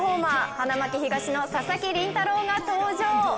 花巻東の佐々木麟太郎が登場。